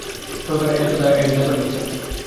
সরকার এর দায়ভার নিচ্ছে না।